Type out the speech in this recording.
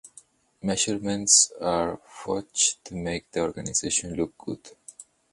Measurements are fudged to make the organization look good.